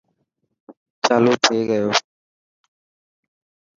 چالو ٿي گيو.